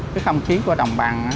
cái không khí của đồng bằng